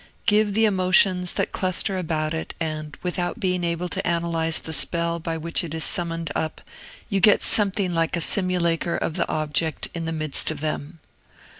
Give the emotions that cluster about it, and, without being able to analyze the spell by which it is summoned up, you get something like a simulacre of the object in the midst of them.